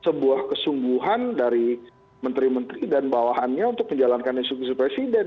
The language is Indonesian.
itu buah kesungguhan dari menteri menteri dan bawahannya untuk menjalankan isu isu presiden